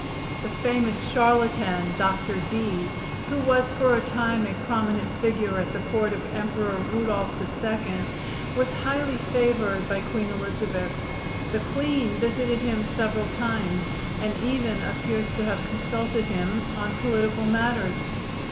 The famous charlatan, Dr. Dee, who was for a time a prominent figure at the court of Emperor Rudolph II, was highly favored by Queen Elizabeth. The queen visited him several times, and even appears to have consulted him on political matters.